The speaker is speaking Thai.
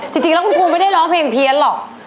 จริงแล้วคุณครูไม่ได้ร้องเพลงเพี้ยนหรอก